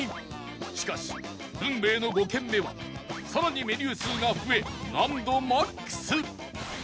しかし運命の５軒目はさらにメニュー数が増え難度マックス！